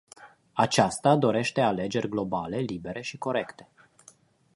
Aceasta dorește alegeri globale, libere și corecte.